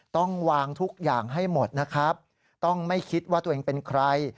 ต้องวางทุกอย่างให้หมดนะครับต้องไม่คิดว่าตัวเองเป็นใคร